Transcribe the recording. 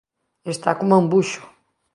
Está coma un buxo.